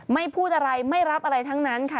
ไม่พูดอะไรไม่รับอะไรทั้งนั้นค่ะ